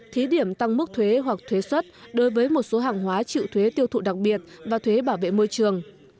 thí điểm tăng mức thuế hoặc thuế xuất đối với một số hàng hóa chịu thuế tiêu thụ đặc biệt và thuế bảo vệ môi trường